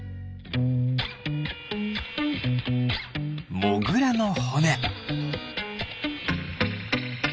モグラのほね。